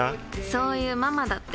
そういうママだって。